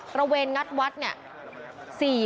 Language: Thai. ระเวนงัดวัดเนี่ย